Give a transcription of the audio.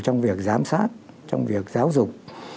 trong việc giám sát trong việc giáo dục